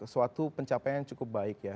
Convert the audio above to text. suatu pencapaian yang cukup baik ya